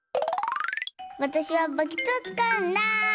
わたしはバケツをつかうんだ。